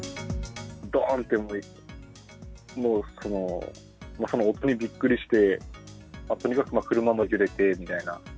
どーんって、もう、その音にびっくりして、とにかく車も揺れてみたいな。